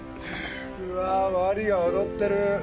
うわあワニが踊ってる！